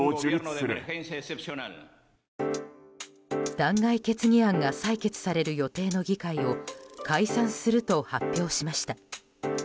弾劾決議案が採決される予定の議会を解散すると発表しました。